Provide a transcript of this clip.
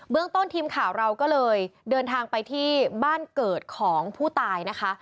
ต้นทีมข่าวเราก็เลยเดินทางไปที่บ้านเกิดของผู้ตายนะคะ